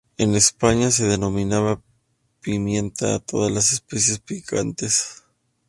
En España se denominaba pimienta a todas las especias picantes.